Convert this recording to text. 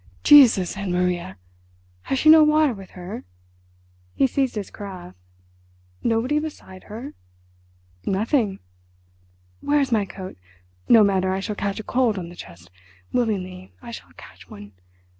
"Jesus and Maria! Has she no water with her?"—he seized his carafe—"nobody beside her?" "Nothing." "Where is my coat? No matter, I shall catch a cold on the chest. Willingly, I shall catch one....